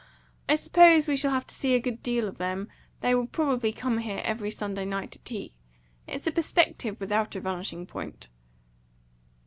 I suppose we shall have to see a good deal of them. They will probably come here every Sunday night to tea. It's a perspective without a vanishing point."